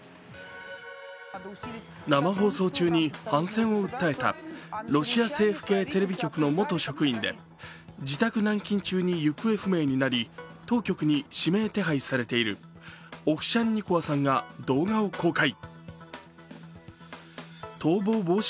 生放送中に反戦を訴えたロシア政府系テレビ局の元職員で自宅軟禁中に行方不明になり当局に指名手配されているオフシャンニコワさんが動画を公開。